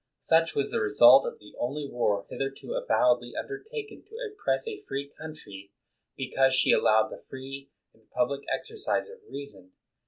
Such was the result of the only war hitherto avowedly 101 MACKINTOSH undertaken to oppress a free country because she allowed the free and public exercise of reason.